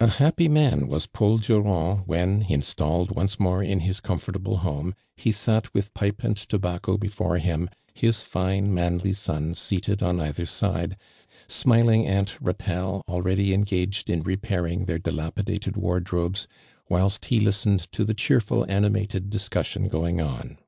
A happy man was Paul Durand, when, in stalled once more in his comfortable home, he sat with )>ipe and tobacco before him, his tine, manly sons seated on either side, smiling Aunt Katelle already engaged in re ))airing their dilapidated wardrobes, whilst he listened to the cheerful, animated dis cussion going on.